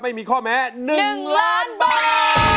ไม่มีข้อแม้๑ล้านบาท